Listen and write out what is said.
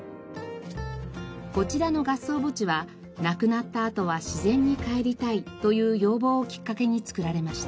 こちらの合葬墓地は亡くなったあとは自然に還りたいという要望をきっかけに作られました。